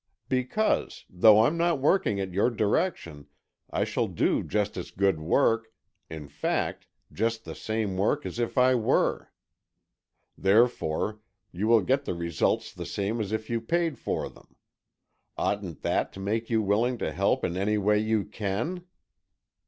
"Because, though I'm not working at your direction, I shall do just as good work, in fact, just the same work as if I were. Therefore, you will get the results the same as if you paid for them. Oughtn't that to make you willing to help in any way you can?"